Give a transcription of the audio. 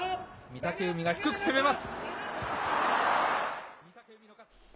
御嶽海が低く攻めます。